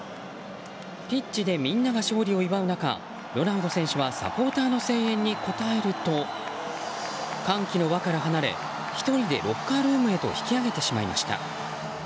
ピッチでみんなが勝利を祝う中ロナウド選手はサポーターの声援に応えると歓喜の輪から離れ１人でロッカールームへと引き上げてしまいました。